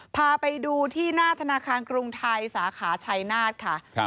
พาไปดูที่หน้าธนาคารกรุงไทยสาขาชัยนาธค่ะ